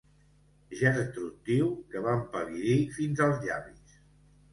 Gertrude diu que va empal·lidir fins als llavis.